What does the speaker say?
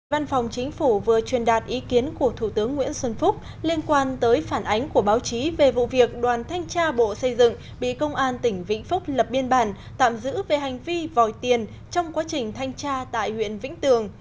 văn phòng chính phủ vừa truyền đạt ý kiến của thủ tướng nguyễn xuân phúc liên quan tới phản ánh của báo chí về vụ việc đoàn thanh tra bộ xây dựng bị công an tỉnh vĩnh phúc lập biên bản tạm giữ về hành vi vòi tiền trong quá trình thanh tra tại huyện vĩnh tường